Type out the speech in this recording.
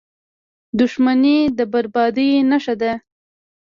• دښمني د بربادۍ نښه ده.